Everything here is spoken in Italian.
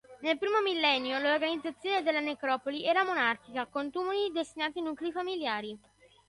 Nel primo millennio, l'organizzazione della necropoli era "monarchica", con tumuli destinati a nuclei familiari.